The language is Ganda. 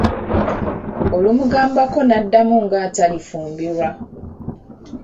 Olumugambako n'addamu ng’atalifumbirwa.